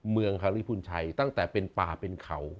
เมืองฮาริปุณธ์ชัยตั้งแต่เป็นป่าเป็นเขา